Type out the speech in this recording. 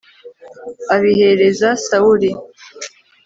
abihereza sawuli